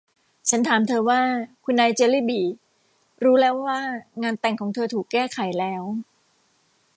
ฉันถามเธอว่า คุณนายเจลลี่บี่ รู้แล้วว่างานแต่งของเธอถูกแก้ไขแล้ว